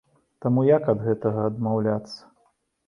Таму як ад гэтага адмаўляцца?